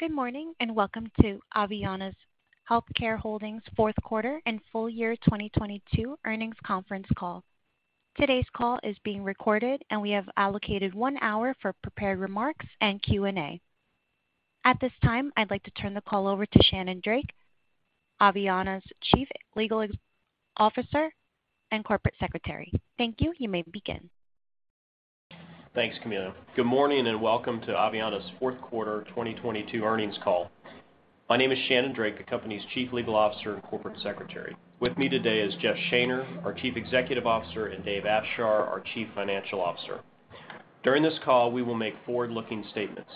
Good morning. Welcome to Aveanna's Healthcare Holdings Fourth Quarter and Full Year 2022 earnings conference call. Today's call is being recorded. We have allocated one hour for prepared remarks and Q&A. At this time, I'd like to turn the call over to Shannon Drake, Aveanna's Chief Legal Officer and Corporate Secretary. Thank you. You may begin. Thanks, Kamila. Good morning, and welcome to Aveanna's fourth quarter 2022 earnings call. My name is Shannon Drake, the company's Chief Legal Officer and Corporate Secretary. With me today is Jeff Shaner, our Chief Executive Officer, and David Afshar, our Chief Financial Officer. During this call, we will make forward-looking statements.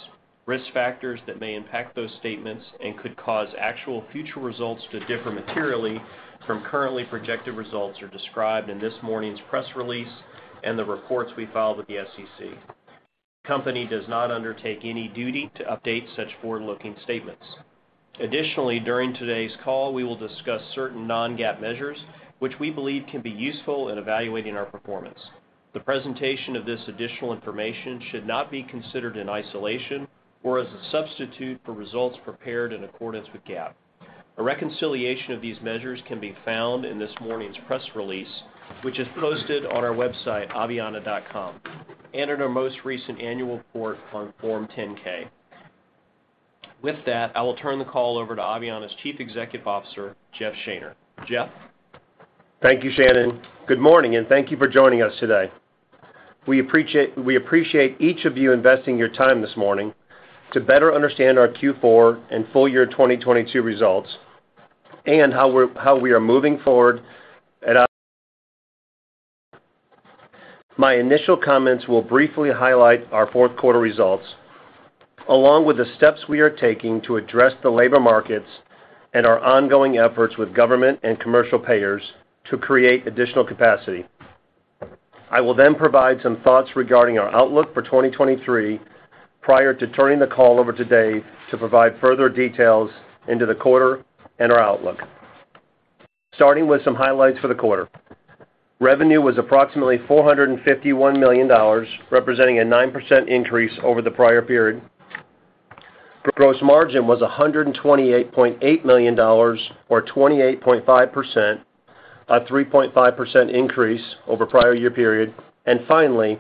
Risk factors that may impact those statements and could cause actual future results to differ materially from currently projected results are described in this morning's press release and the reports we filed with the SEC. The company does not undertake any duty to update such forward-looking statements. Additionally, during today's call, we will discuss certain non-GAAP measures which we believe can be useful in evaluating our performance. The presentation of this additional information should not be considered in isolation or as a substitute for results prepared in accordance with GAAP. A reconciliation of these measures can be found in this morning's press release, which is posted on our website, aveanna.com, and in our most recent annual report on Form 10-K. With that, I will turn the call over to Aveanna's Chief Executive Officer, Jeff Shaner. Jeff? Thank you, Shannon. Good morning. Thank you for joining us today. We appreciate each of you investing your time this morning to better understand our Q4 and full year 2022 results and how we are moving forward at Aveanna. My initial comments will briefly highlight our fourth quarter results, along with the steps we are taking to address the labor markets and our ongoing efforts with government and commercial payers to create additional capacity. I will provide some thoughts regarding our outlook for 2023 prior to turning the call over today to provide further details into the quarter and our outlook. Starting with some highlights for the quarter. Revenue was approximately $451 million, representing a 9% increase over the prior period. Gross margin was $128.8 million or 28.5%, a 3.5% increase over prior year period. Finally,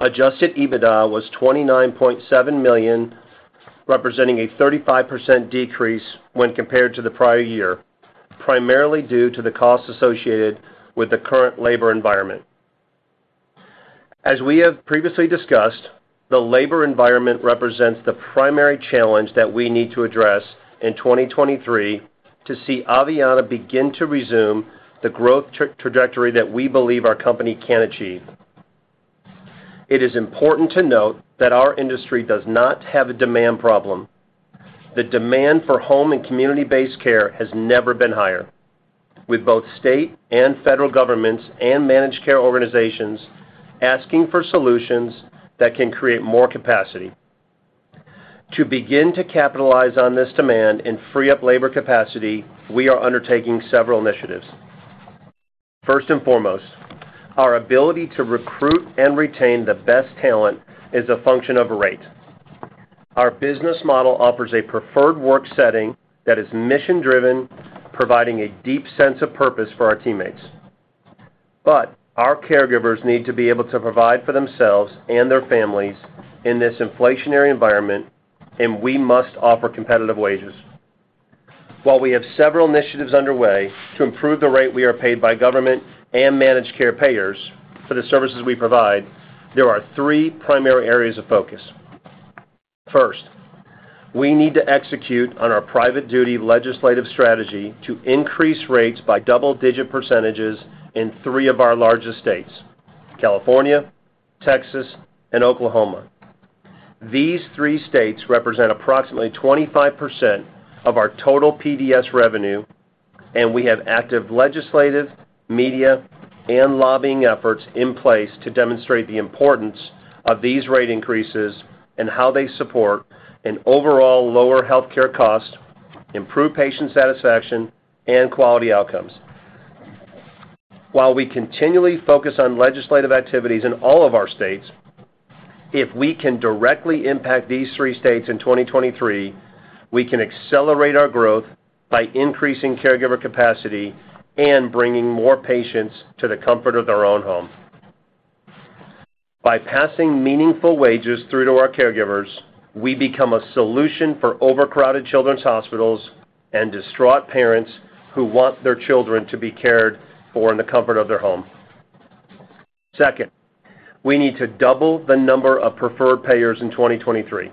Adjusted EBITDA was $29.7 million, representing a 35% decrease when compared to the prior year, primarily due to the costs associated with the current labor environment. As we have previously discussed, the labor environment represents the primary challenge that we need to address in 2023 to see Aveanna begin to resume the growth trajectory that we believe our company can achieve. It is important to note that our industry does not have a demand problem. The demand for home and community-based care has never been higher, with both state and federal governments and managed care organizations asking for solutions that can create more capacity. To begin to capitalize on this demand and free up labor capacity, we are undertaking several initiatives. First and foremost, our ability to recruit and retain the best talent is a function of rate. Our business model offers a preferred work setting that is mission-driven, providing a deep sense of purpose for our teammates. Our caregivers need to be able to provide for themselves and their families in this inflationary environment, and we must offer competitive wages. While we have several initiatives underway to improve the rate we are paid by government and managed care payers for the services we provide, there are three primary areas of focus. First, we need to execute on our private duty legislative strategy to increase rates by double-digit percentages in three of our largest states, California, Texas, and Oklahoma. These three states represent approximately 25% of our total PDS revenue. We have active legislative, media, and lobbying efforts in place to demonstrate the importance of these rate increases and how they support an overall lower healthcare cost, improved patient satisfaction, and quality outcomes. While we continually focus on legislative activities in all of our states, if we can directly impact these three states in 2023, we can accelerate our growth by increasing caregiver capacity and bringing more patients to the comfort of their own home. By passing meaningful wages through to our caregivers, we become a solution for overcrowded children's hospitals and distraught parents who want their children to be cared for in the comfort of their home. Second, we need to double the number of preferred payers in 2023.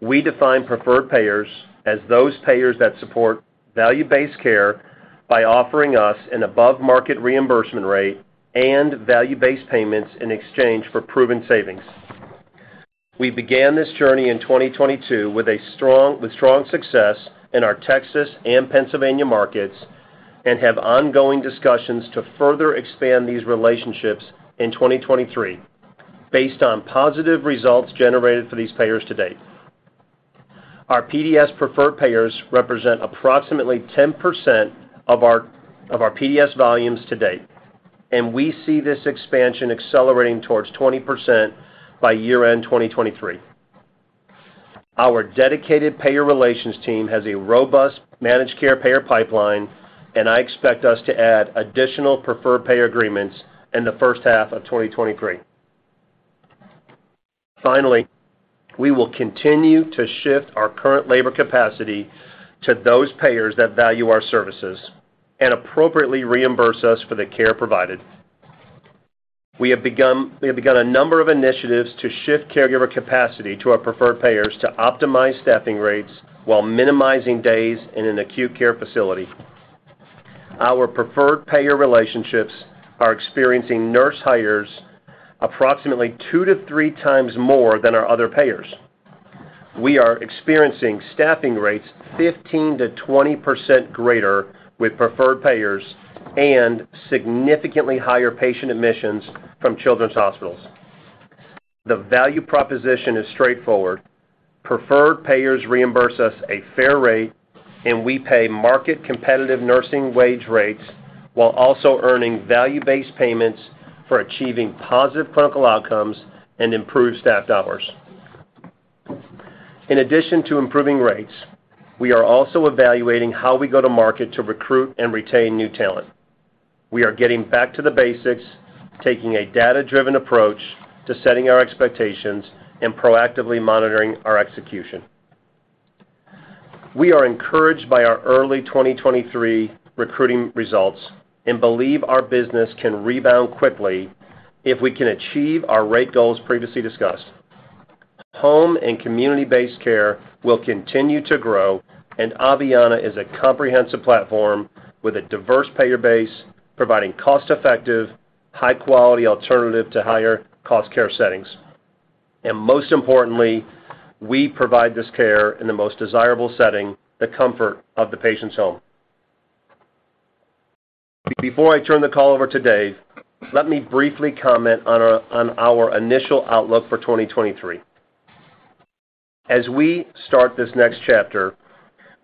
We define preferred payers as those payers that support value-based care by offering us an above market reimbursement rate and value-based payments in exchange for proven savings. We began this journey in 2022 with strong success in our Texas and Pennsylvania markets and have ongoing discussions to further expand these relationships in 2023 based on positive results generated for these payers to date. Our PDS preferred payers represent approximately 10% of our PDS volumes to date. We see this expansion accelerating towards 20% by year-end 2023. Our dedicated payer relations team has a robust managed care payer pipeline, and I expect us to add additional preferred payer agreements in the first half of 2023. Finally, we will continue to shift our current labor capacity to those payers that value our services and appropriately reimburse us for the care provided. We have begun a number of initiatives to shift caregiver capacity to our preferred payers to optimize staffing rates while minimizing days in an acute care facility. Our preferred payer relationships are experiencing nurse hires approximately 2-3x more than our other payers. We are experiencing staffing rates 15%-20% greater with preferred payers and significantly higher patient admissions from children's hospitals. The value proposition is straightforward. Preferred payers reimburse us a fair rate, and we pay market competitive nursing wage rates while also earning value-based payments for achieving positive clinical outcomes and improved staff hours. In addition to improving rates, we are also evaluating how we go to market to recruit and retain new talent. We are getting back to the basics, taking a data-driven approach to setting our expectations and proactively monitoring our execution. We are encouraged by our early 2023 recruiting results and believe our business can rebound quickly if we can achieve our rate goals previously discussed. Home and community-based care will continue to grow. Aveanna is a comprehensive platform with a diverse payer base providing cost-effective, high-quality alternative to higher cost care settings. Most importantly, we provide this care in the most desirable setting, the comfort of the patient's home. Before I turn the call over to David, let me briefly comment on our initial outlook for 2023. As we start this next chapter,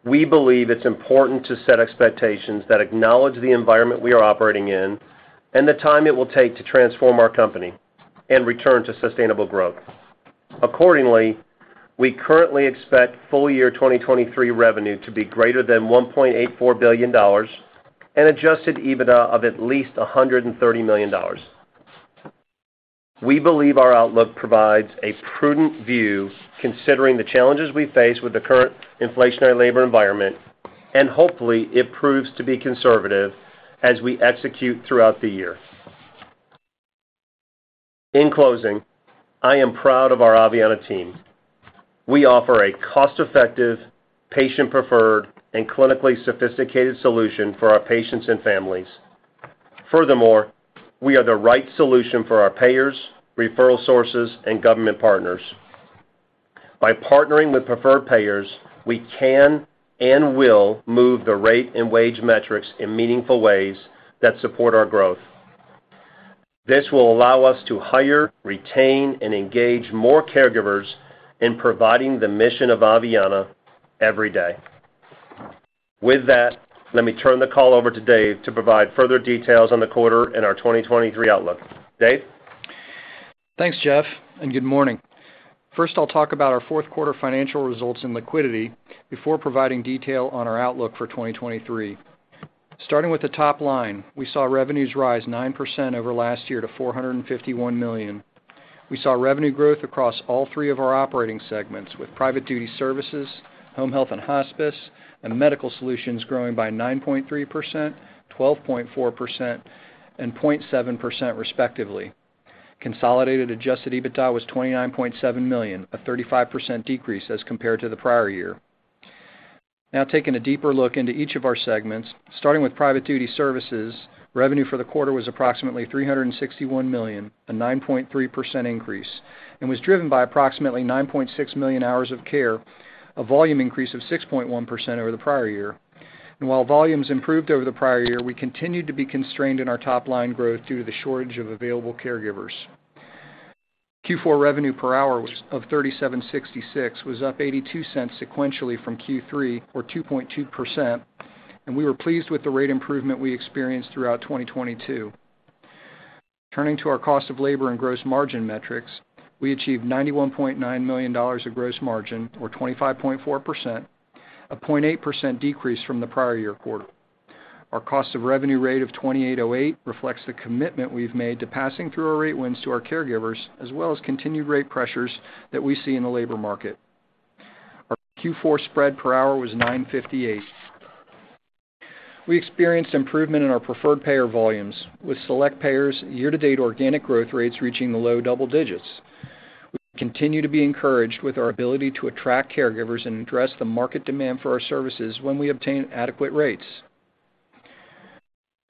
we believe it's important to set expectations that acknowledge the environment we are operating in and the time it will take to transform our company and return to sustainable growth. Accordingly, we currently expect full year 2023 revenue to be greater than $1.84 billion and Adjusted EBITDA of at least $130 million. We believe our outlook provides a prudent view considering the challenges we face with the current inflationary labor environment, hopefully it proves to be conservative as we execute throughout the year. In closing, I am proud of our Aveanna team. We offer a cost-effective, patient preferred, and clinically sophisticated solution for our patients and families. Furthermore, we are the right solution for our payers, referral sources, and government partners. By partnering with preferred payers, we can and will move the rate and wage metrics in meaningful ways that support our growth. This will allow us to hire, retain, and engage more caregivers in providing the mission of Aveanna every day. With that, let me turn the call over to David to provide further details on the quarter and our 2023 outlook. David? Thanks, Jeff. Good morning. First, I'll talk about our fourth quarter financial results and liquidity before providing detail on our outlook for 2023. Starting with the top line, we saw revenues rise 9% over last year to $451 million. We saw revenue growth across all three of our operating segments, with Private Duty Services, Home Health & Hospice, and Medical Solutions growing by 9.3%, 12.4%, and 0.7% respectively. Consolidated Adjusted EBITDA was $29.7 million, a 35% decrease as compared to the prior year. Now taking a deeper look into each of our segments, starting with Private Duty Services, revenue for the quarter was approximately $361 million, a 9.3% increase, and was driven by approximately 9.6 million hours of care, a volume increase of 6.1% over the prior-year. While volumes improved over the prior-year, we continued to be constrained in our top line growth due to the shortage of available caregivers. Q4 revenue per hour was $37.66, was up $0.82 sequentially from Q3 or 2.2%. We were pleased with the rate improvement we experienced throughout 2022. Turning to our cost of labor and gross margin metrics, we achieved $91.9 million of gross margin or 25.4%, a 0.8% decrease from the prior-year quarter. Our cost of revenue rate of $28.08 reflects the commitment we've made to passing through our rate wins to our caregivers as well as continued rate pressures that we see in the labor market. Our Q4 spread per hour was $9.58. We experienced improvement in our preferred payer volumes with select payers year-to-date organic growth rates reaching the low double digits. We continue to be encouraged with our ability to attract caregivers and address the market demand for our services when we obtain adequate rates.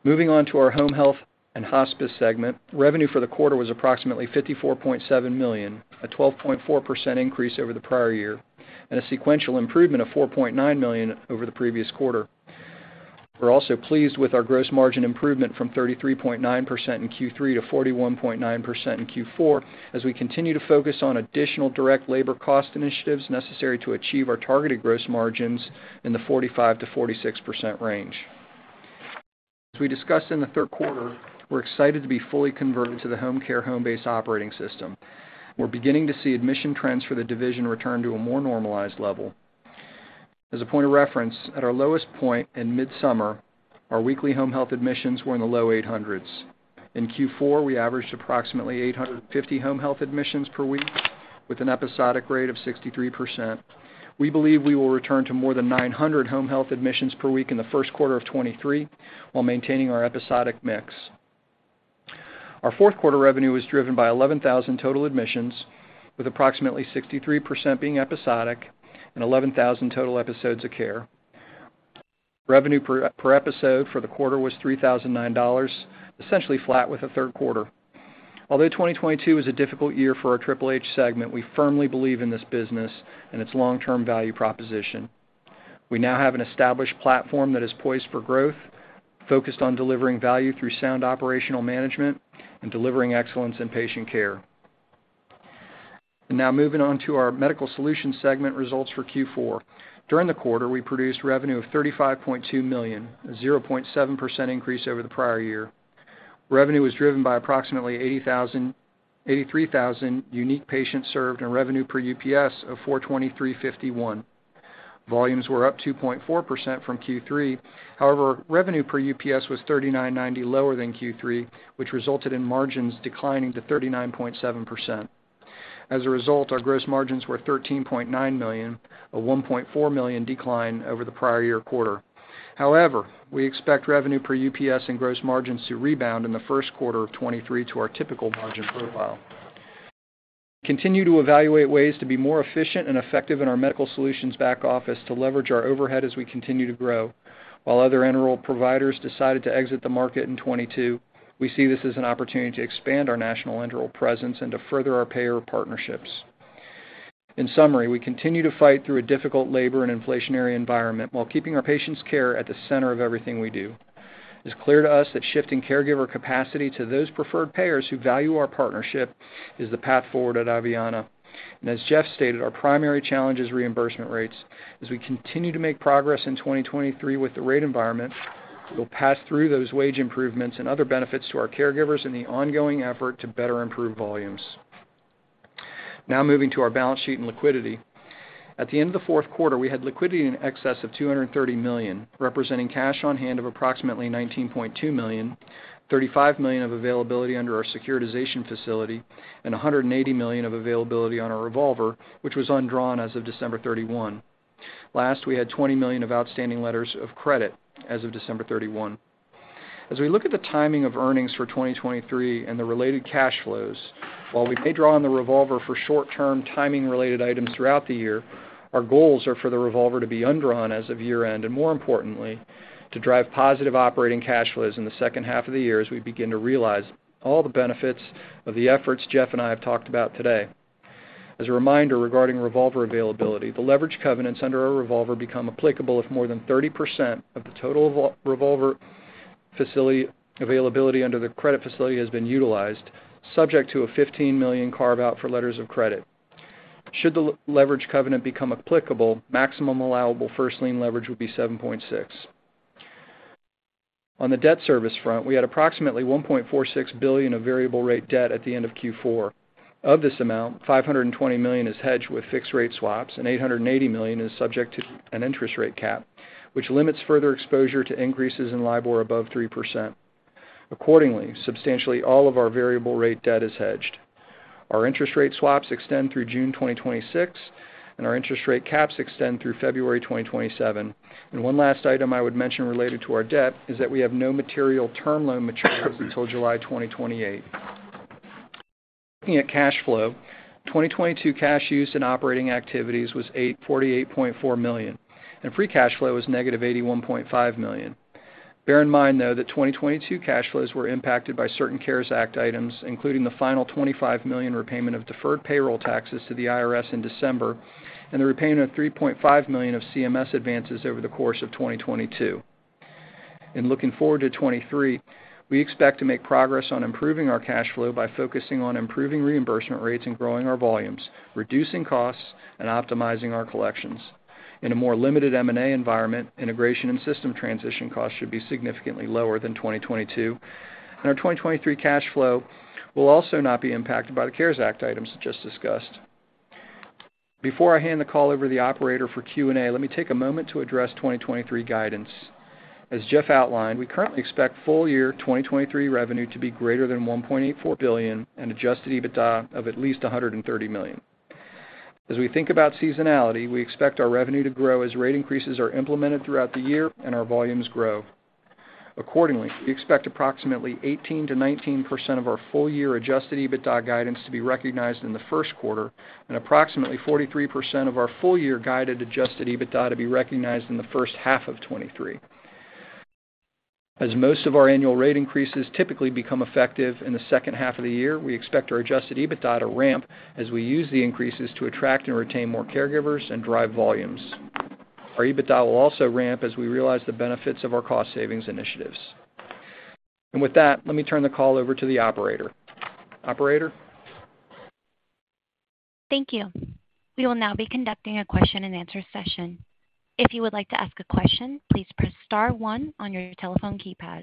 Moving on to our Home Health & Hospice segment, revenue for the quarter was approximately $54.7 million, a 12.4% increase over the prior year, and a sequential improvement of $4.9 million over the previous quarter. We're also pleased with our gross margin improvement from 33.9% in Q3 to 41.9% in Q4 as we continue to focus on additional direct labor cost initiatives necessary to achieve our targeted gross margins in the 45%-46% range. As we discussed in the third quarter, we're excited to be fully converted to the Homecare Homebase operating system. We're beginning to see admission trends for the division return to a more normalized level. As a point of reference, at our lowest point in mid-summer, our weekly home health admissions were in the low 800s. In Q4, we averaged approximately 850 home health admissions per week with an episodic rate of 63%. We believe we will return to more than 900 home health admissions per week in the first quarter of 2023, while maintaining our episodic mix. Our fourth quarter revenue was driven by 11,000 total admissions, with approximately 63% being episodic and 11,000 total episodes of care. Revenue per episode for the quarter was $3,009, essentially flat with the third quarter. Although 2022 is a difficult year for our HHH segment, we firmly believe in this business and its long-term value proposition. We now have an established platform that is poised for growth, focused on delivering value through sound operational management and delivering excellence in patient care. Now moving on to our Medical Solutions segment results for Q4. During the quarter, we produced revenue of $35.2 million, a 0.7% increase over the prior year. Revenue was driven by approximately 83,000 unique patients served, and revenue per UPS of $423.51. Volumes were up 2.4% from Q3. Revenue per UPS was $39.90 lower than Q3, which resulted in margins declining to 39.7%. Our gross margins were $13.9 million, a $1.4 million decline over the prior year quarter. We expect revenue per UPS and gross margins to rebound in the first quarter of 2023 to our typical margin profile. Continue to evaluate ways to be more efficient and effective in our Medical Solutions back office to leverage our overhead as we continue to grow. While other enteral providers decided to exit the market in 2022, we see this as an opportunity to expand our national enteral presence and to further our payer partnerships. In summary, we continue to fight through a difficult labor and inflationary environment while keeping our patients' care at the center of everything we do. It's clear to us that shifting caregiver capacity to those preferred payers who value our partnership is the path forward at Aveanna. As Jeff stated, our primary challenge is reimbursement rates. As we continue to make progress in 2023 with the rate environment, we'll pass through those wage improvements and other benefits to our caregivers in the ongoing effort to better improve volumes. Now moving to our balance sheet and liquidity. At the end of the fourth quarter, we had liquidity in excess of $230 million, representing cash on hand of approximately $19.2 million, $35 million of availability under our securitization facility, and $180 million of availability on our revolver, which was undrawn as of December 31. Last, we had $20 million of outstanding letters of credit as of December 31. As we look at the timing of earnings for 2023 and the related cash flows, while we may draw on the revolver for short-term timing related items throughout the year, our goals are for the revolver to be undrawn as of year-end, and more importantly, to drive positive operating cash flows in the second half of the year as we begin to realize all the benefits of the efforts Jeff and I have talked about today. As a reminder regarding revolver availability, the leverage covenants under our revolver become applicable if more than 30% of the total revolver facility availability under the credit facility has been utilized, subject to a $15 million carve-out for letters of credit. Should the leverage covenant become applicable, maximum allowable first lien leverage would be 7.6. On the debt service front, we had approximately $1.46 billion of variable rate debt at the end of Q4. Of this amount, $520 million is hedged with fixed rate swaps, and $880 million is subject to an interest rate cap, which limits further exposure to increases in LIBOR above 3%. Accordingly, substantially all of our variable rate debt is hedged. Our interest rate swaps extend through June 2026, and our interest rate caps extend through February 2027. One last item I would mention related to our debt is that we have no material term loan maturities until July 2028. Looking at cash flow, 2022 cash use and operating activities was $48.4 million, and free cash flow was negative $81.5 million. Bear in mind, though, that 2022 cash flows were impacted by certain CARES Act items, including the final $25 million repayment of deferred payroll taxes to the IRS in December and the repayment of $3.5 million of CMS advances over the course of 2022. In looking forward to 2023, we expect to make progress on improving our cash flow by focusing on improving reimbursement rates and growing our volumes, reducing costs, and optimizing our collections. In a more limited M&A environment, integration and system transition costs should be significantly lower than 2022. Our 2023 cash flow will also not be impacted by the CARES Act items just discussed. Before I hand the call over to the operator for Q&A, let me take a moment to address 2023 guidance. As Jeff outlined, we currently expect full year 2023 revenue to be greater than $1.84 billion and Adjusted EBITDA of at least $130 million. As we think about seasonality, we expect our revenue to grow as rate increases are implemented throughout the year and our volumes grow. Accordingly, we expect approximately 18%-19% of our full year Adjusted EBITDA guidance to be recognized in the first quarter and approximately 43% of our full year guided Adjusted EBITDA to be recognized in the first half of 2023. As most of our annual rate increases typically become effective in the second half of the year, we expect our Adjusted EBITDA to ramp as we use the increases to attract and retain more caregivers and drive volumes. Our EBITDA will also ramp as we realize the benefits of our cost savings initiatives. With that, let me turn the call over to the operator. Operator? Thank you. We will now be conducting a question-and-answer session. If you would like to ask a question, please press star one on your telephone keypad.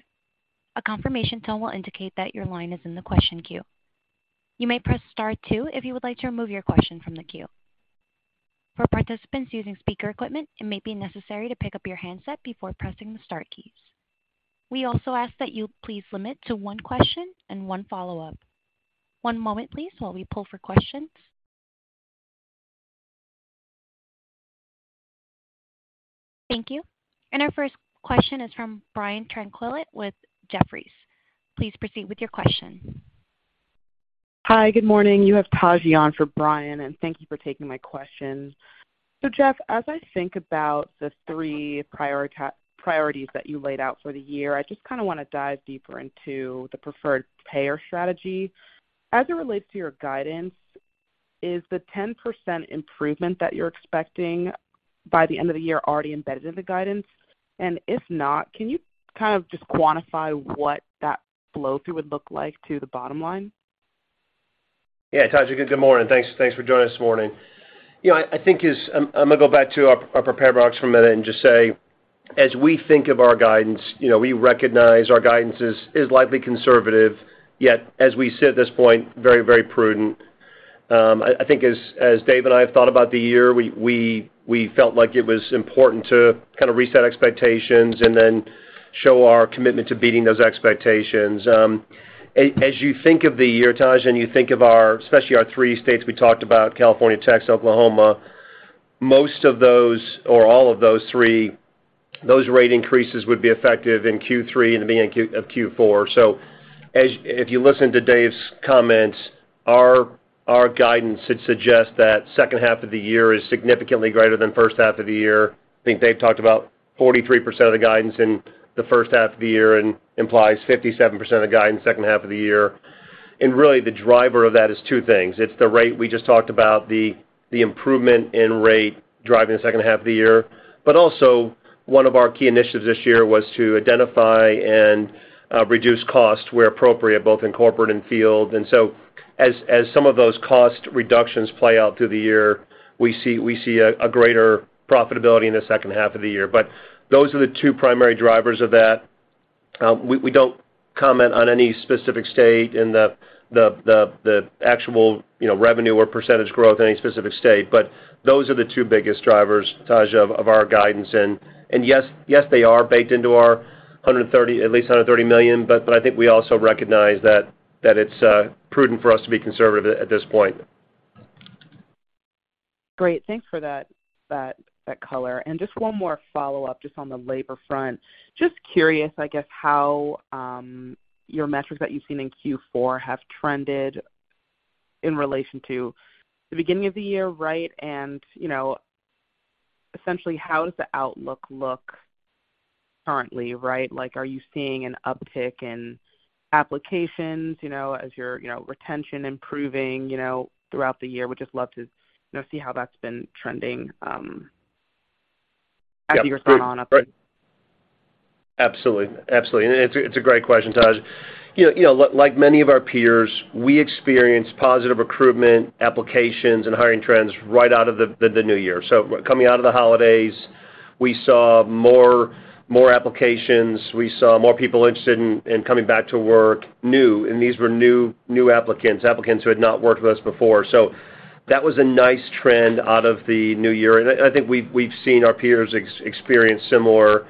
A confirmation tone will indicate that your line is in the question queue. You may press star two if you would like to remove your question from the queue. For participants using speaker equipment, it may be necessary to pick up your handset before pressing the star keys. We also ask that you please limit to one question and one follow-up. One moment please, while we pull for questions. Thank you. Our first question is from Brian Tanquilut with Jefferies. Please proceed with your question. Hi. Good morning. You have Tejas for Brian Tanquilut, and thank you for taking my question. Jeff, as I think about the three priorities that you laid out for the year, I just kinda wanna dive deeper into the preferred payer strategy. As it relates to your guidance, is the 10% improvement that you're expecting by the end of the year already embedded in the guidance? If not, can you kind of just quantify what that flow-through would look like to the bottom line? Yeah. Tejas, good morning. Thanks for joining us this morning. You know, I think I'm gonna go back to our prepared remarks for a minute and just say, as we think of our guidance, you know, we recognize our guidance is likely conservative, yet as we sit at this point, very prudent. I think as David and I have thought about the year, we felt like it was important to kind of reset expectations then show our commitment to beating those expectations. As you think of the year, Tejas, you think of our especially our three states we talked about, California, Texas, Oklahoma, most of those or all of those three, those rate increases would be effective in Q3 and the beginning of Q4. If you listen to David's comments, our guidance should suggest that second half of the year is significantly greater than first half of the year. I think David talked about 43% of the guidance in the first half of the year and implies 57% of guidance second half of the year. Really, the driver of that is two things. It's the rate we just talked about, the improvement in rate driving the second half of the year. Also one of our key initiatives this year was to identify and reduce costs where appropriate, both in corporate and field. As some of those cost reductions play out through the year, we see greater profitability in the second half of the year. Those are the two primary drivers of that. We don't comment on any specific state in the actual, you know, revenue or percentage growth in any specific state. Those are the two biggest drivers, Tejas, of our guidance. Yes, they are baked into our $130 million, at least $130 million, but I think we also recognize that it's prudent for us to be conservative at this point. Great. Thanks for that color. Just one more follow-up just on the labor front. Just curious, I guess, how your metrics that you've seen in Q4 have trended in relation to the beginning of the year, right? You know, essentially how does the outlook look currently, right? Like are you seeing an uptick in applications, you know, as your, you know, retention improving, you know, throughout the year? Would just love to, you know, see how that's been trending as you get your saw on update. Yeah. Sure. Right. Absolutely. Absolutely. It's a great question, Tejas. You know, like many of our peers, we experience positive recruitment applications and hiring trends right out of the new year. Coming out of the holidays, we saw more applications. We saw more people interested in coming back to work new, and these were new applicants who had not worked with us before. That was a nice trend out of the new year, and I think we've seen our peers experience similar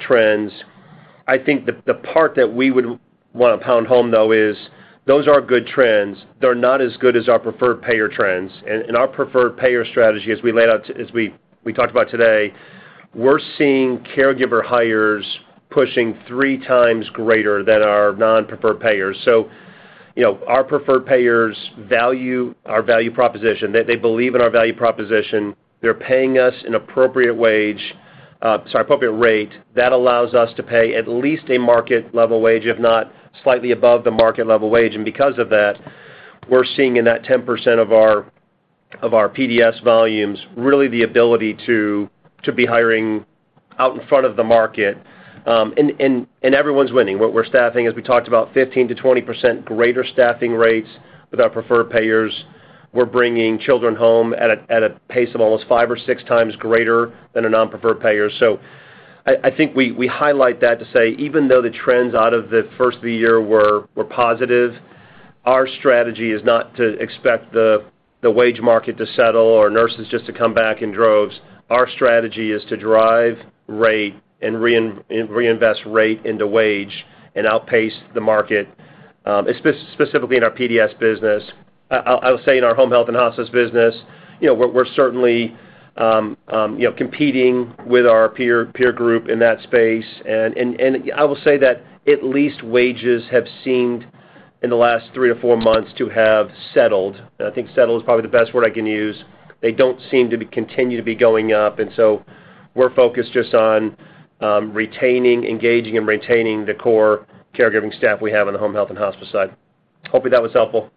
trends. I think the part that we would wanna pound home though is those are good trends. They're not as good as our preferred payer trends. Our preferred payer strategy as we laid out as we talked about today, we're seeing caregiver hires pushing 3x greater than our non-preferred payers. You know, our preferred payers value our value proposition. They believe in our value proposition. They're paying us an appropriate wage, sorry, appropriate rate that allows us to pay at least a market-level wage, if not slightly above the market level wage. Because of that, we're seeing in that 10% of our PDS volumes, really the ability to be hiring out in front of the market. Everyone's winning. We're staffing, as we talked about, 15%-20% greater staffing rates with our preferred payers. We're bringing children home at a pace of almost 5x or 6x greater than a non-preferred payer. I think we highlight that to say even though the trends out of the first of the year were positive, our strategy is not to expect the wage market to settle or nurses just to come back in droves. Our strategy is to drive rate and reinvest rate into wage and outpace the market specifically in our PDS business. I'll say in our Home Health & Hospice business, you know, we're certainly, you know, competing with our peer group in that space. I will say that at least wages have seemed in the last three or four months to have settled. I think settled is probably the best word I can use. They don't seem to be continue to be going up. We're focused just on retaining, engaging and retaining the core caregiving staff we have in the Home Health & Hospice side. Hopefully that was helpful.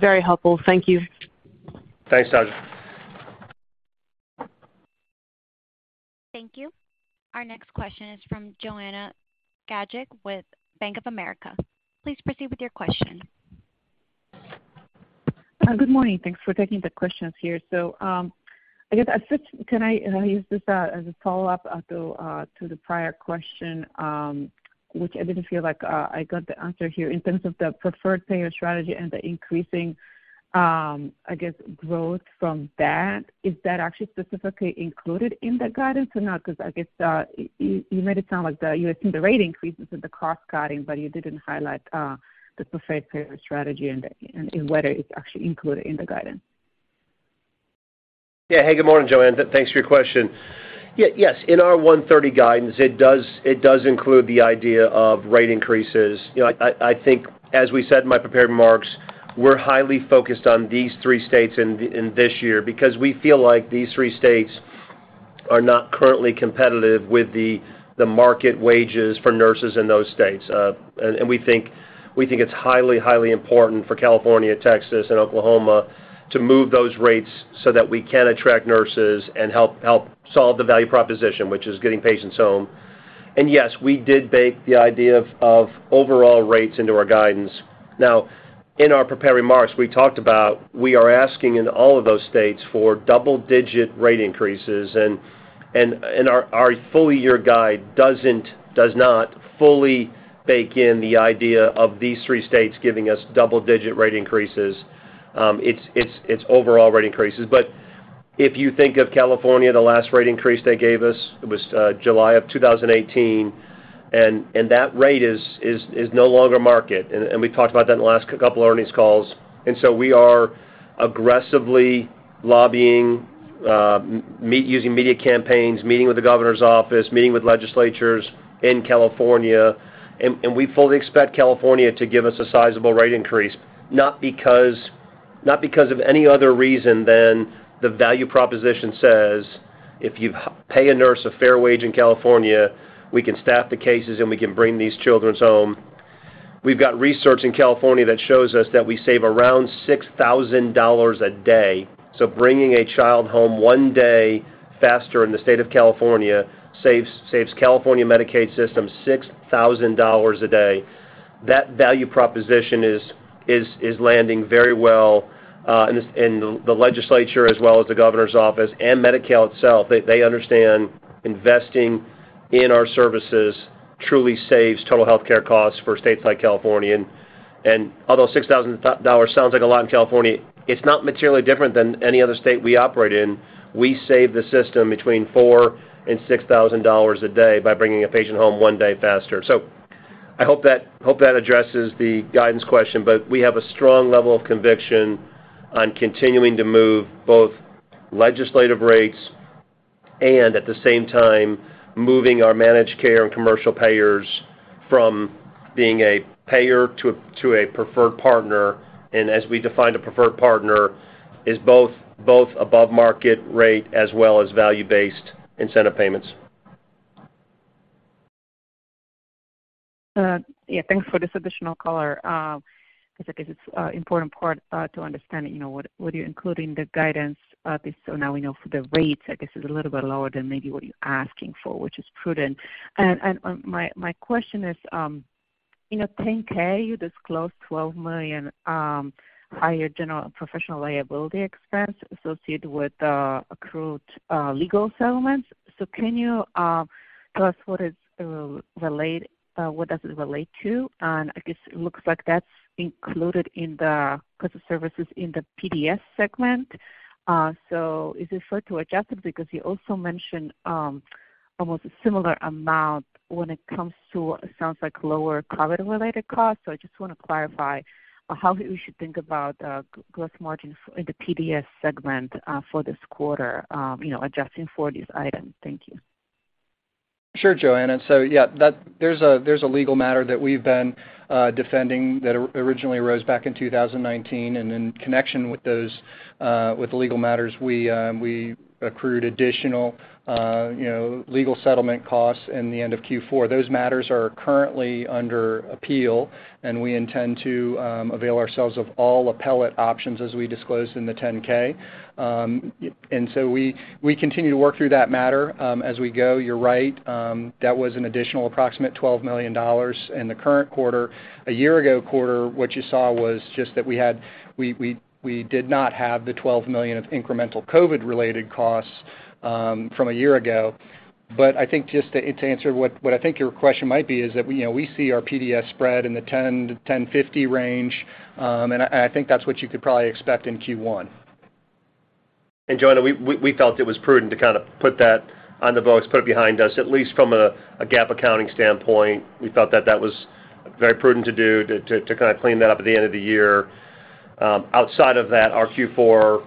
Very helpful. Thank you. Thanks, Tejas. Thank you. Our next question is from Joanna Gajuk with Bank of America. Please proceed with your question. Good morning. Thanks for taking the questions here. I guess I said, can I use this as a follow-up to the prior question, which I didn't feel like I got the answer here in terms of the preferred payer strategy and the increasing, I guess, growth from that. Is that actually specifically included in the guidance or not? Because I guess, you made it sound like you had seen the rate increases with the cross cutting, but you didn't highlight the preferred payer strategy and whether it's actually included in the guidance. Yeah. Hey, good morning, Joanna. Thanks for your question. Yes. In our 130 guidance, it does include the idea of rate increases. You know, I think as we said in my prepared remarks, we're highly focused on these three states in this year because we feel like these three states are not currently competitive with the market wages for nurses in those states. We think it's highly important for California, Texas and Oklahoma to move those rates so that we can attract nurses and help solve the value proposition, which is getting patients home. Yes, we did bake the idea of overall rates into our guidance. Now, in our prepared remarks, we talked about we are asking in all of those states for double-digit rate increases. Our full year guide does not fully bake in the idea of these three states giving us double-digit rate increases. It's overall rate increases. If you think of California, the last rate increase they gave us was July of 2018, and that rate is no longer market. We talked about that in the last couple of earnings calls. So we are aggressively lobbying, using media campaigns, meeting with the governor's office, meeting with legislatures in California. We fully expect California to give us a sizable rate increase, not because of any other reason than the value proposition says, if you pay a nurse a fair wage in California, we can staff the cases, and we can bring these children home. We've got research in California that shows us that we save around $6,000 a day. Bringing a child home one day faster in the state of California saves California Medicaid system $6,000 a day. That value proposition is landing very well in the legislature as well as the governor's office and Medi-Cal itself. They understand investing in our services truly saves total healthcare costs for states like California. Although $6,000 dollars sounds like a lot in California, it's not materially different than any other state we operate in. We save the system between $4,000 and $6,000 a day by bringing a patient home one day faster. I hope that addresses the guidance question. we have a strong level of conviction on continuing to move both legislative rates and at the same time moving our managed care and commercial payers from being a payer to a preferred partner. As we define a preferred partner is both above market rate as well as value-based incentive payments. Yeah, thanks for this additional color, because I guess it's important part to understanding, you know, what you include in the guidance. Now we know for the rates, I guess is a little bit lower than maybe what you're asking for, which is prudent. My question is, in our 10-K, you disclosed $12 million higher general professional liability expense associated with accrued legal settlements. Can you tell us what does it relate to? I guess it looks like that's included in the cost of services in the PDS segment. Is it fair to adjust it because you also mentioned almost a similar amount when it comes to sounds like lower COVID related costs. I just wanna clarify, how we should think about gross margins in the PDS segment, for this quarter, you know, adjusting for these items. Thank you. Sure, Joanna. Yeah, that there's a legal matter that we've been defending that originally arose back in 2019. In connection with those with the legal matters, we accrued additional, you know, legal settlement costs in the end of Q4. Those matters are currently under appeal, and we intend to avail ourselves of all appellate options as we disclosed in the 10-K. We, we continue to work through that matter as we go. You're right. That was an additional approximate $12 million in the current quarter. A year ago quarter, what you saw was just that we did not have the $12 million of incremental COVID-related costs from a year ago. I think just to answer what I think your question might be is that, you know, we see our PDS spread in the 10%-10.50% range. I think that's what you could probably expect in Q1. Joanna, we felt it was prudent to kind of put that on the books, put it behind us, at least from a GAAP accounting standpoint. We felt that that was very prudent to do to kind of clean that up at the end of the year. Outside of that, our Q4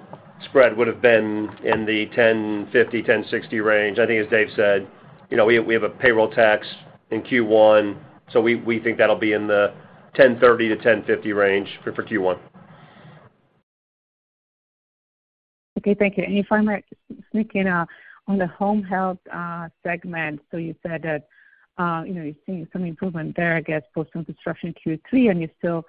spread would have been in the $10.50-$10.60 range. I think as David said, you know, we have a payroll tax in Q1, so we think that'll be in the $10.30-$10.50 range for Q1. Okay, thank you. If I might sneak in on the Home Health segment. You said that, you know, you're seeing some improvement there, I guess, post some construction in Q3, and you're still,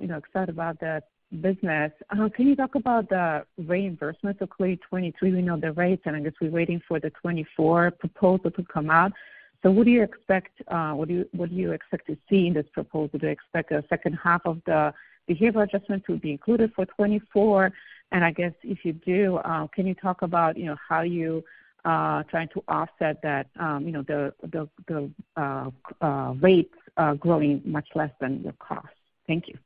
you know, excited about that business. Can you talk about the reimbursement for Q3? We know the rates, and I guess we're waiting for the 2024 proposal to come out. What do you expect, what do you expect to see in this proposal? Do you expect a second half of the behavioral adjustment to be included for 2024? I guess if you do, can you talk about, you know, how you trying to offset that, you know, the rates growing much less than your cost? Thank you.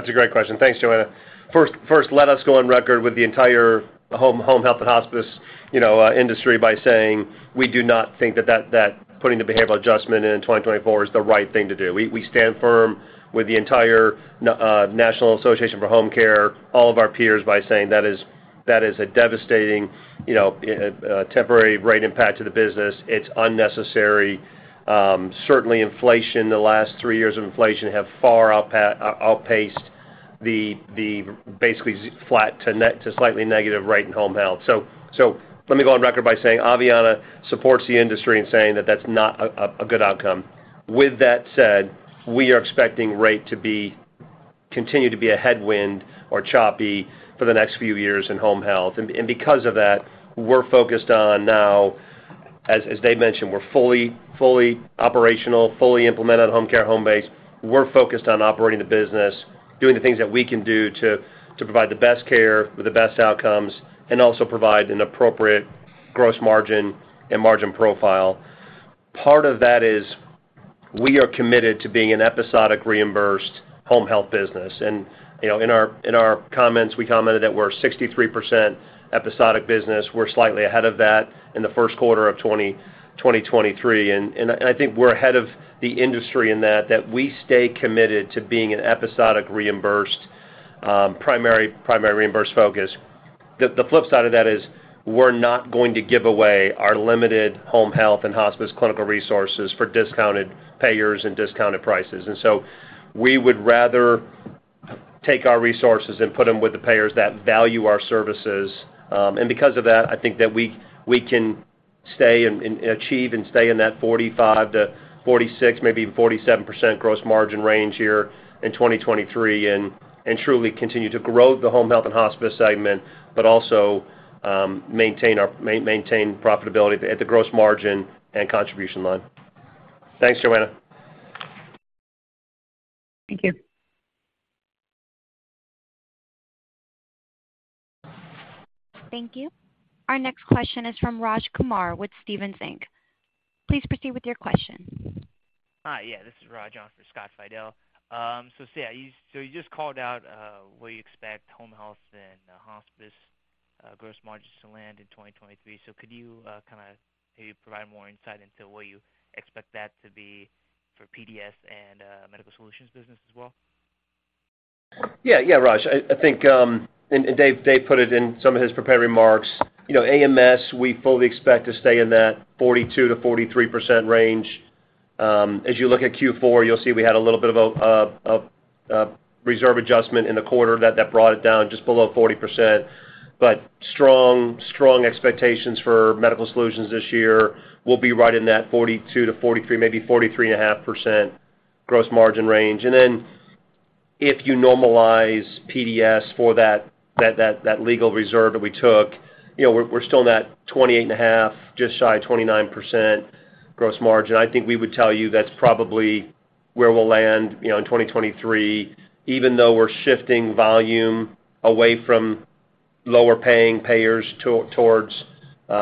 Yeah, that's a great question. Thanks, Joanna. First, let us go on record with the entire Home Health & Hospice, you know, industry by saying we do not think that putting the behavioral adjustment in 2024 is the right thing to do. We stand firm with the entire National Association for Home Care, all of our peers by saying that is a devastating, you know, temporary rate impact to the business. It's unnecessary. Certainly inflation, the last 3 years of inflation have far outpaced the basically flat to slightly negative rate in home health. Let me go on record by saying Aveanna supports the industry in saying that that's not a good outcome. With that said, we are expecting rate to be, continue to be a headwind or choppy for the next few years in home health. Because of that, we're focused on now, as David mentioned, we're fully operational, fully implemented Homecare Homebase. We're focused on operating the business, doing the things that we can do to provide the best care with the best outcomes, and also provide an appropriate gross margin and margin profile. Part of that is we are committed to being an episodic reimbursed home health business. You know, in our comments, we commented that we're 63% episodic business. We're slightly ahead of that in the first quarter of 2023. I think we're ahead of the industry in that we stay committed to being an episodic reimbursed, primary reimbursed focus. The flip side of that is we're not going to give away our limited Home Health & Hospice clinical resources for discounted payers and discounted prices. We would rather take our resources and put them with the payers that value our services. Because of that, I think that we can stay and achieve and stay in that 45%-46%, maybe 47% gross margin range here in 2023, and truly continue to grow the Home Health & Hospice segment, but also maintain our profitability at the gross margin and contribution line. Thanks, Joanna. Thank you. Thank you. Our next question is from Raj Kumar with Stephens Inc. Please proceed with your question. Hi. Yeah, this is Raj on for Scott Fidel. Say, you just called out where you expect Home Health & Hospice gross margins to land in 2023. Could you kinda maybe provide more insight into where you expect that to be for PDS and Medical Solutions business as well? Yeah, Raj. I think, and David put it in some of his prepared remarks. You know, AMS, we fully expect to stay in that 42%-43% range. As you look at Q4, you'll see we had a little bit of a reserve adjustment in the quarter that brought it down just below 40%. But strong expectations for Medical Solutions this year will be right in that 42%-43%, maybe 43.5% gross margin range. If you normalize PDS for that legal reserve that we took, you know, we're still in that 28.5%, just shy of 29% gross margin. I think we would tell you that's probably where we'll land, you know, in 2023, even though we're shifting volume away from lower paying payers towards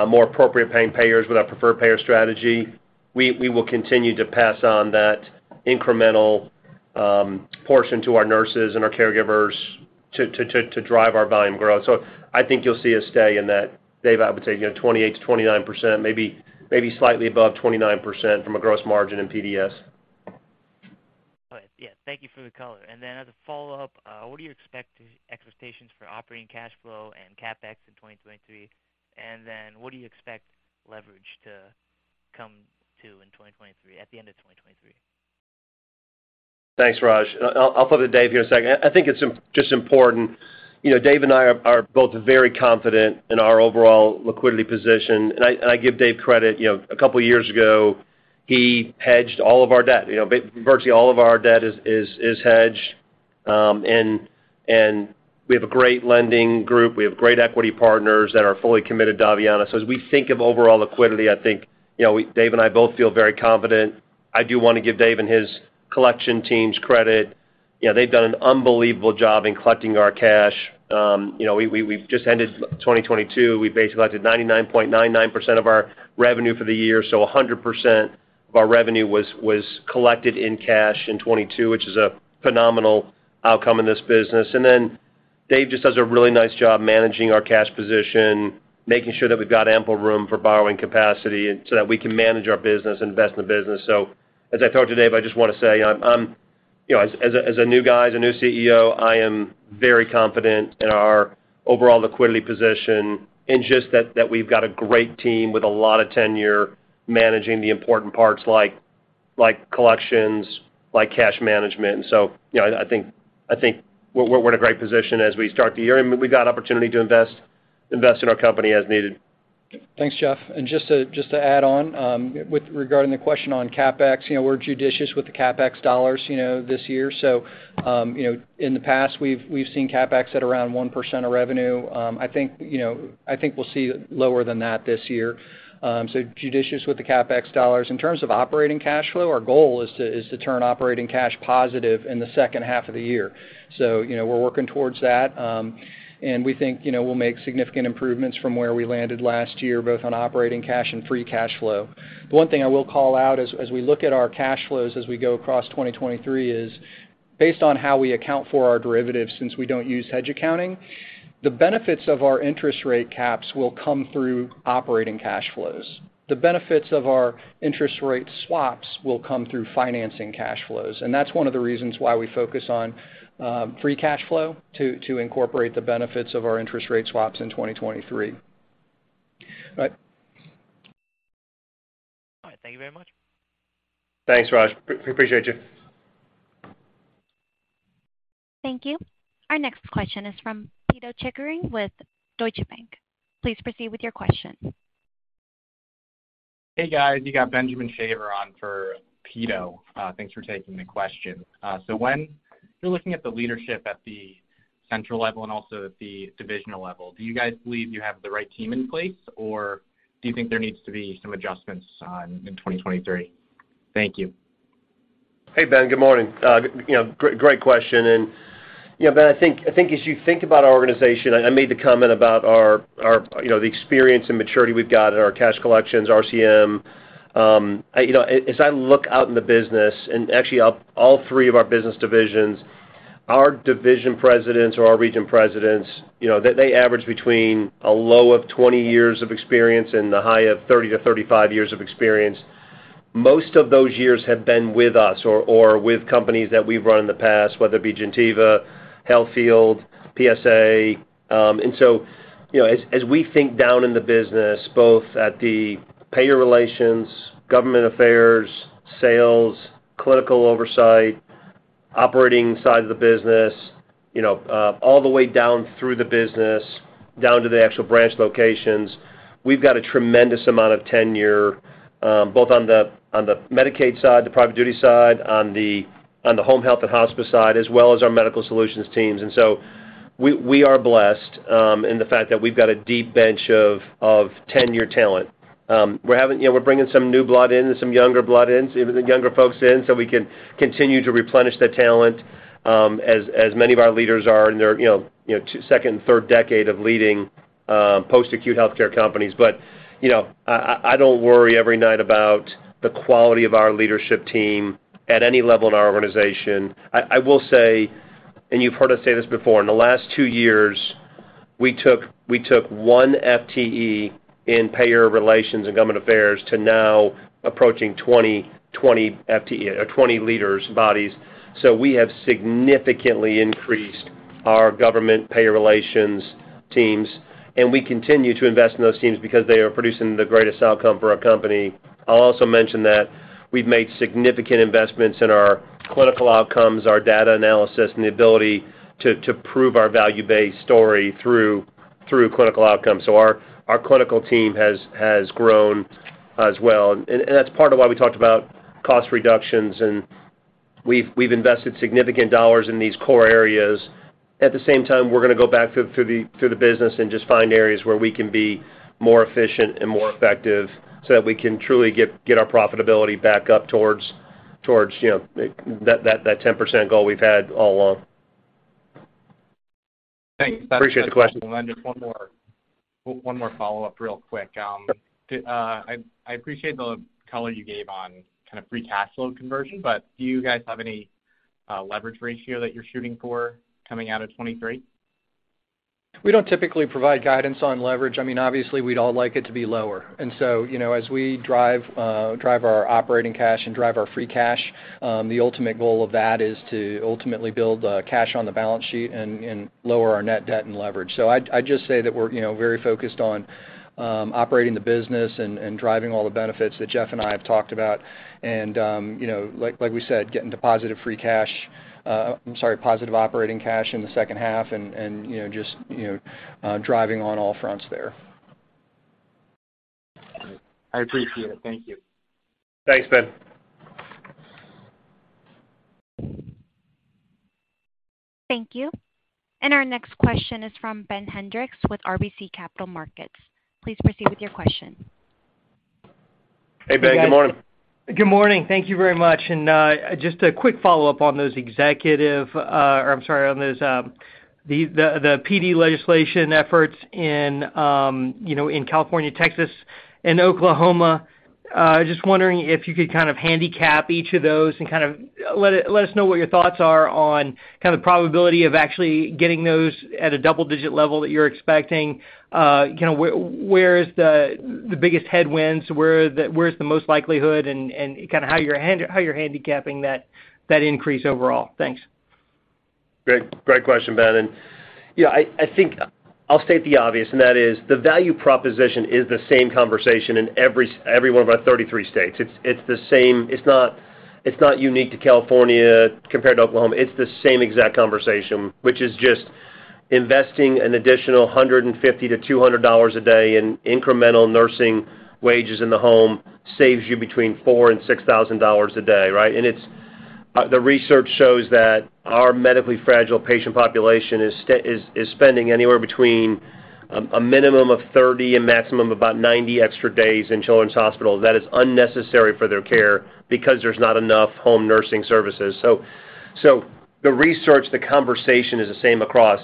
more appropriate paying payers with our preferred payer strategy. We will continue to pass on that incremental portion to our nurses and our caregivers to drive our volume growth. I think you'll see us stay in that. David, I would say, you know, 28%-29%, maybe slightly above 29% from a gross margin in PDS. All right. Yeah. Thank you for the color. As a follow-up, what are your expectations for operating cash flow and CapEx in 2023? What do you expect leverage to come to in 2023, at the end of 2023? Thanks, Raj. I'll put it to David here in a second. I think it's just important. You know, David and I are both very confident in our overall liquidity position. I give David credit. You know, a couple years ago, he hedged all of our debt. You know, virtually all of our debt is hedged. We have a great lending group. We have great equity partners that are fully committed to Aveanna. As we think of overall liquidity, I think, you know, David and I both feel very confident. I do wanna give David and his collection teams credit. You know, they've done an unbelievable job in collecting our cash. You know, we've just ended 2022. We basically collected 99.99% of our revenue for the year. 100% of our revenue was collected in cash in 2022, which is a phenomenal outcome in this business. David just does a really nice job managing our cash position, making sure that we've got ample room for borrowing capacity and so that we can manage our business, invest in the business. As I talked to David, I just wanna say I'm, you know, as a new guy, as a new CEO, I am very confident in our overall liquidity position, and just that we've got a great team with a lot of tenure managing the important parts like collections, like cash management. you know, I think we're in a great position as we start the year, and we've got opportunity to invest in our company as needed. Thanks, Jeff. Just to add on, with regarding the question on CapEx, you know, we're judicious with the CapEx dollars, you know, this year. You know, in the past, we've seen CapEx at around 1% of revenue. I think, you know, I think we'll see lower than that this year. Judicious with the CapEx dollars. In terms of operating cash flow, our goal is to turn operating cash positive in the second half of the year. You know, we're working towards that. We think, you know, we'll make significant improvements from where we landed last year, both on operating cash and free cash flow. The one thing I will call out as we look at our cash flows as we go across 2023 is based on how we account for our derivatives since we don't use hedge accounting, the benefits of our interest rate caps will come through operating cash flows. The benefits of our interest rate swaps will come through financing cash flows. That's one of the reasons why we focus on free cash flow to incorporate the benefits of our interest rate swaps in 2023. All right. All right, thank you very much. Thanks, Raj. Appreciate you. Thank you. Our next question is from Pito Chickering with Deutsche Bank. Please proceed with your question. Hey, guys. You got Ben Shaver on for Pito. Thanks for taking the question. When you're looking at the leadership at the central level and also at the divisional level, do you guys believe you have the right team in place, or do you think there needs to be some adjustments in 2023? Thank you. Hey, Ben. Good morning. You know, great question. You know, Ben, I think as you think about our organization, I made the comment about our, you know, the experience and maturity we've got in our cash collections, RCM. You know, as I look out in the business and actually all three of our business divisions, our division presidents or our region presidents, you know, they average between a low of 20 years of experience and the high of 30-35 years of experience. Most of those years have been with us or with companies that we've run in the past, whether it be Gentiva, Healthfield, PSA. You know, as we think down in the business, both at the payer relations, government affairs, sales, clinical oversight, operating side of the business, you know, all the way down through the business, down to the actual branch locations, we've got a tremendous amount of tenure, both on the Medicaid side, the private duty side, on the home health and hospice side, as well as our Medical Solutions teams. We, we are blessed, in the fact that we've got a deep bench of tenured talent. You know, we're bringing some new blood in and some younger blood in, so even the younger folks in, so we can continue to replenish the talent, as many of our leaders are in their, you know, second, third decade of leading post-acute healthcare companies. You know, I, I don't worry every night about the quality of our leadership team at any level in our organization. I will say, and you've heard us say this before, in the last two years, we took one FTE in payer relations and government affairs to now approaching 20 FTE or 20 leaders bodies. We have significantly increased our government payer relations teams, and we continue to invest in those teams because they are producing the greatest outcome for our company. I'll also mention that we've made significant investments in our clinical outcomes, our data analysis, and the ability to prove our value-based story through clinical outcomes. Our clinical team has grown as well. That's part of why we talked about cost reductions, and we've invested significant dollars in these core areas. At the same time, we're gonna go back through the business and just find areas where we can be more efficient and more effective so that we can truly get our profitability back up towards, you know, that 10% goal we've had all along. Thanks. Appreciate the question. Just one more follow-up real quick. I appreciate the color you gave on kind of free cash flow conversion, but do you guys have any leverage ratio that you're shooting for coming out of 2023? We don't typically provide guidance on leverage. I mean, obviously, we'd all like it to be lower. You know, as we drive our operating cash and drive our free cash, the ultimate goal of that is to ultimately build, cash on the balance sheet and lower our net debt and leverage. I'd just say that we're, you know, very focused on, operating the business and driving all the benefits that Jeff and I have talked about. You know, like we said, getting to positive free cash, I'm sorry, positive operating cash in the second half and, you know, just, you know, driving on all fronts there. All right. I appreciate it. Thank you. Thanks, Ben. Thank you. Our next question is from Ben Hendrix with RBC Capital Markets. Please proceed with your question. Hey, Ben. Good morning. Good morning. Thank you very much. Just a quick follow-up on those executive, or I'm sorry, on those, the PD legislation efforts in, you know, in California, Texas, and Oklahoma. Just wondering if you could kind of handicap each of those and kind of let us know what your thoughts are on kind of the probability of actually getting those at a double-digit level that you're expecting. Kind of where is the biggest headwinds? Where is the most likelihood? And kind of how you're handicapping that increase overall. Thanks. Great question, Ben. You know, I think I'll state the obvious, and that is the value proposition is the same conversation in every one of our 33 states. It's the same. It's not unique to California compared to Oklahoma. It's the same exact conversation, which is just investing an additional $150-$200 a day in incremental nursing wages in the home saves you between $4,000 and $6,000 a day, right? It's the research shows that our medically fragile patient population is spending anywhere between a minimum of 30 and maximum about 90 extra days in children's hospitals that is unnecessary for their care because there's not enough home nursing services. The research, the conversation is the same across.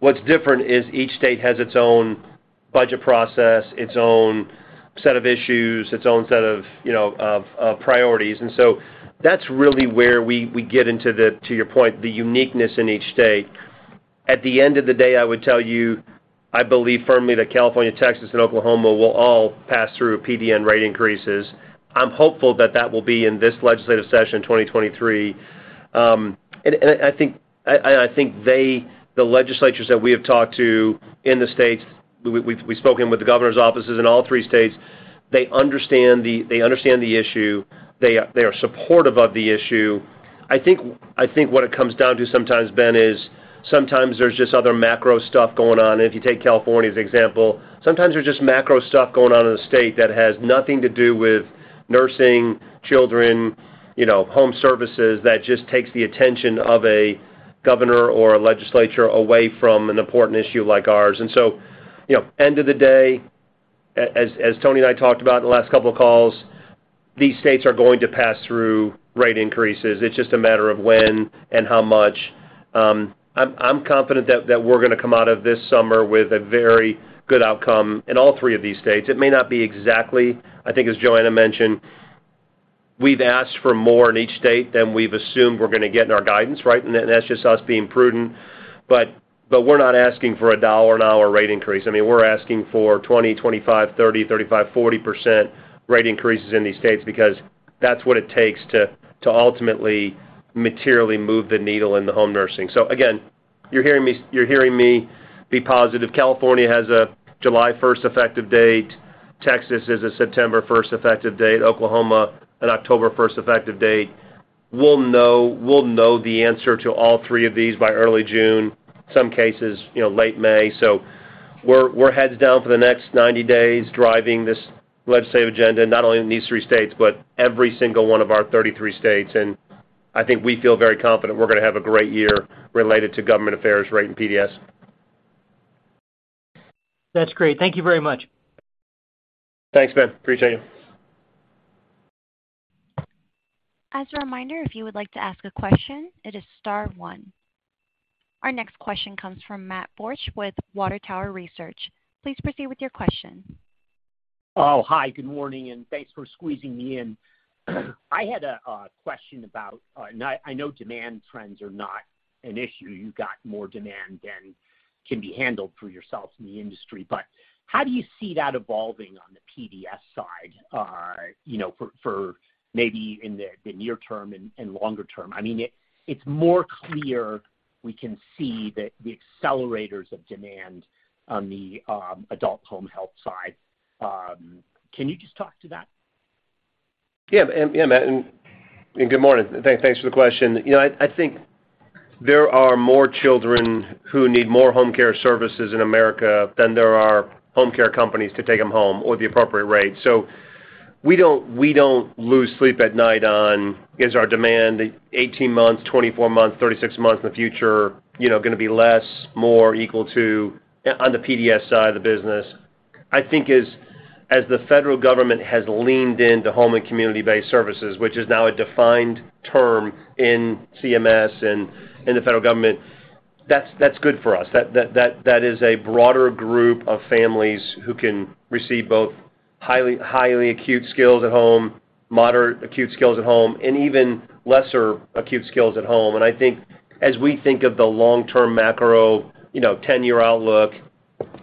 What's different is each state has its own budget process, its own set of issues, its own set of, you know, priorities. That's really where we get into the, to your point, the uniqueness in each state. At the end of the day, I would tell you, I believe firmly that California, Texas, and Oklahoma will all pass through PDN rate increases. I'm hopeful that that will be in this legislative session, 2023. And I think, and I, and I think the legislatures that we have talked to in the states, we've spoken with the governor's offices in all three states, they understand the issue. They are supportive of the issue. I think what it comes down to sometimes, Ben Hendrix, is sometimes there's just other macro stuff going on. If you take California, as an example, sometimes there's just macro stuff going on in the state that has nothing to do with nursing, children, you know, home services that just takes the attention of a governor or a legislature away from an important issue like ours. You know, end of the day, as Tony and I talked about in the last two calls, these states are going to pass through rate increases. It's just a matter of when and how much. I'm confident that we're gonna come out of this summer with a very good outcome in all three of these states. It may not be exactly... I think, as Joanna mentioned, we've asked for more in each state than we've assumed we're gonna get in our guidance, right? That's just us being prudent. We're not asking for a $1 an hour rate increase. I mean, we're asking for 20%, 25%, 30%, 35%, 40% rate increases in these states because that's what it takes to ultimately materially move the needle in the home nursing. Again, you're hearing me be positive. California has a July 1st effective date. Texas is a September 1st effective date. Oklahoma, an October 1st effective date. We'll know the answer to all three of these by early June, some cases, you know, late May. We're heads down for the next 90 days driving this legislative agenda, not only in these three states, but every single one of our 33 states. I think we feel very confident we're gonna have a great year related to government affairs rate in PDS. That's great. Thank you very much. Thanks, Ben. Appreciate you. As a reminder, if you would like to ask a question, it is star one. Our next question comes from Matthew Borsche with Water Tower Research. Please proceed with your question. Hi, good morning, thanks for squeezing me in. I had a question about, now I know demand trends are not an issue. You've got more demand than can be handled for yourself in the industry. How do you see that evolving on the PDS side, you know, for maybe in the near term and longer term? I mean, it's more clear we can see that the accelerators of demand on the adult Home Health side. Can you just talk to that? Yeah, Matthew. Good morning. Thanks for the question. You know, I think there are more children who need more home care services in America than there are home care companies to take them home or the appropriate rate. We don't lose sleep at night on is our demand 18 months, 24 months, 36 months in the future, you know, gonna be less, more equal to on the PDS side of the business. I think as the federal government has leaned into home and community-based services, which is now a defined term in CMS and in the federal government, that's good for us. That is a broader group of families who can receive both highly acute skills at home, moderate acute skills at home, and even lesser acute skills at home. I think as we think of the long-term macro, you know, 10-year outlook,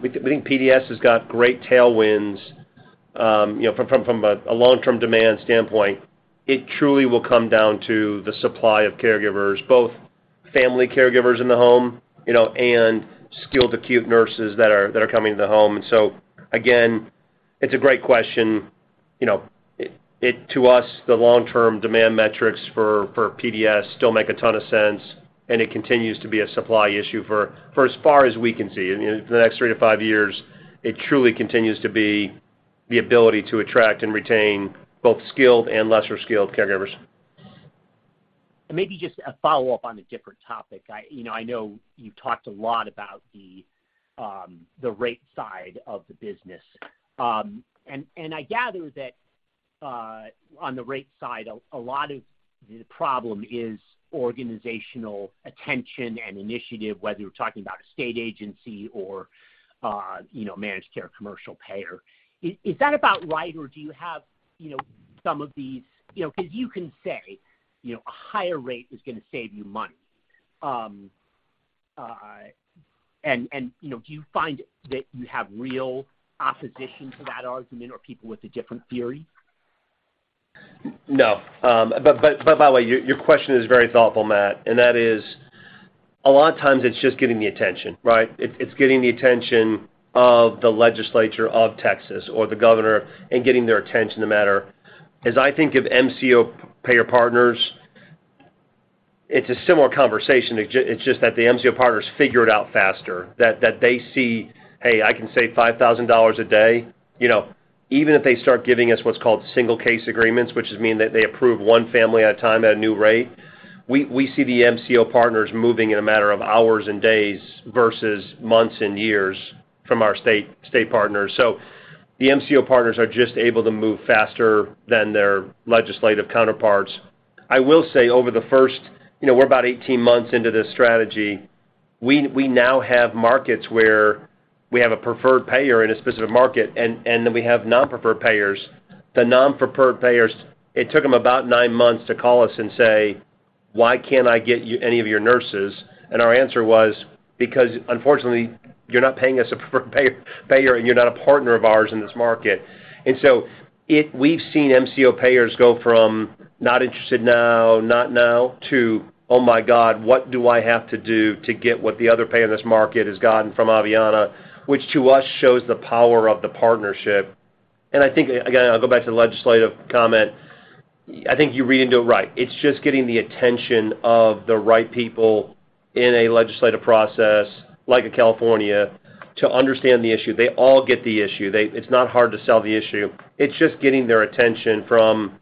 we think PDS has got great tailwinds, you know, from a long-term demand standpoint. It truly will come down to the supply of caregivers, both family caregivers in the home, you know, and skilled acute nurses that are coming to the home. Again, it's a great question. You know, to us, the long-term demand metrics for PDS still make a ton of sense, and it continues to be a supply issue for as far as we can see. You know, the next 3-5 years, it truly continues to be the ability to attract and retain both skilled and lesser-skilled caregivers. Maybe just a follow-up on a different topic. I, you know, I know you've talked a lot about the rate side of the business. I gather that on the rate side, a lot of the problem is organizational attention and initiative, whether you're talking about a state agency or, you know, managed care commercial payer. Is that about right, or do you have, you know, some of these...? You know, 'cause you can say, you know, a higher rate is gonna save you money. Do you find that you have real opposition to that argument or people with a different theory? No. By the way, your question is very thoughtful, Matthew, and that is a lot of times it's just getting the attention, right? It's getting the attention of the legislature of Texas or the governor and getting their attention no matter. As I think of MCO payer partners, it's a similar conversation. It's just that the MCO partners figure it out faster, that they see, hey, I can save $5,000 a day, you know. Even if they start giving us what's called single case agreements, which just mean that they approve one family at a time at a new rate, we see the MCO partners moving in a matter of hours and days versus months and years from our state partners. The MCO partners are just able to move faster than their legislative counterparts. I will say over the first, you know, we're about 18 months into this strategy, we now have markets where we have a preferred payer in a specific market, and then we have non-preferred payers. The non-preferred payers, it took them about nine months to call us and say, "Why can't I get any of your nurses?" Our answer was, "Because unfortunately, you're not paying us a preferred payer, and you're not a partner of ours in this market." We've seen MCO payers go from not interested now, not now to, oh my God, what do I have to do to get what the other payer in this market has gotten from Aveanna? Which to us shows the power of the partnership. I think, again, I'll go back to the legislative comment. I think you read into it right. It's just getting the attention of the right people in a legislative process like in California to understand the issue. They all get the issue. It's not hard to sell the issue. It's just getting their attention from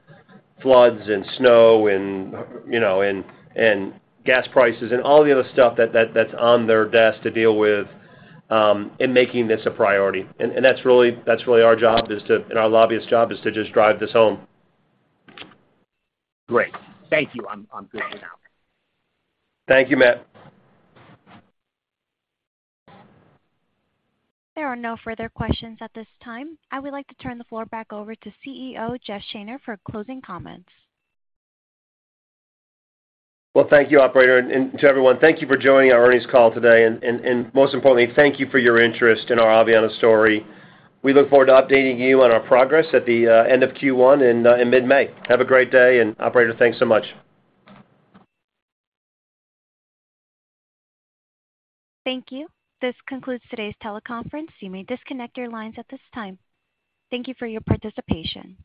floods and snow and, you know, and gas prices and all the other stuff that's on their desk to deal with in making this a priority. That's really our job is to, and our lobbyist job is to just drive this home. Great. Thank you. I'm good for now. Thank you, Matthew. There are no further questions at this time. I would like to turn the floor back over to CEO Jeff Shaner for closing comments. Well, thank you, operator. To everyone, thank you for joining our earnings call today. Most importantly, thank you for your interest in our Aveanna story. We look forward to updating you on our progress at the end of Q1 in mid-May. Have a great day. Operator, thanks so much. Thank you. This concludes today's teleconference. You may disconnect your lines at this time. Thank you for your participation.